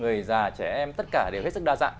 người già trẻ em tất cả đều hết sức đa dạng